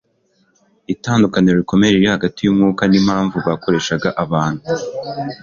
itandukaniro rikomeye riri hagati y'umwuka n'impamvu byakoreshaga abantu